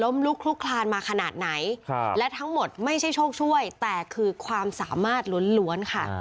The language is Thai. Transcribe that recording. ลุกลุกคลานมาขนาดไหนและทั้งหมดไม่ใช่โชคช่วยแต่คือความสามารถล้วนค่ะ